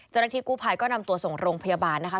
เจ้าหน้าที่กู้ภัยก็นำตัวส่งโรงพยาบาลนะคะ